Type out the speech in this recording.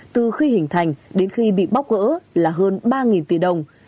từ khi hình thành đến khi bị bóc gỡ là hơn ba tỷ đồng